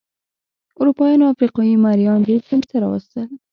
اروپایانو افریقايي مریان دې سیمې ته راوستل.